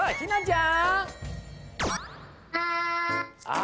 ひなちゃん